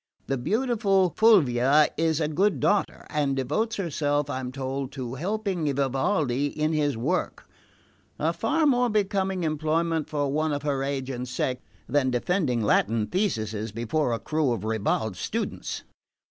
The beautiful Fulvia is a good daughter, and devotes herself, I'm told, to helping Vivaldi in his work; a far more becoming employment for one of her age and sex than defending Latin theses before a crew of ribald students."